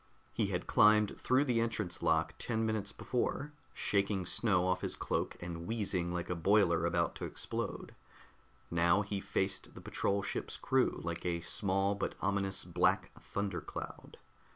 He had climbed through the entrance lock ten minutes before, shaking snow off his cloak and wheezing like a boiler about to explode; now he faced the patrol ship's crew like a small but ominous black thundercloud.